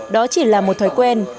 đó chỉ là một thói quen